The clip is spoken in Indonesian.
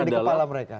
di kepala mereka